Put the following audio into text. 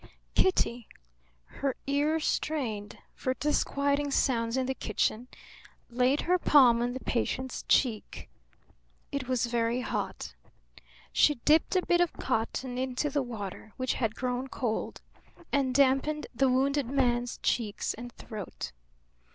Kitty, her ears strained for disquieting sounds in the kitchen, laid her palm on the patient's cheek. It was very hot. She dipped a bit of cotton into the water, which had grown cold, and dampened the wounded man's cheeks and throat.